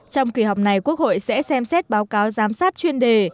trong kỳ họp này quốc hội sẽ xem xét báo cáo giám sát chuyên đề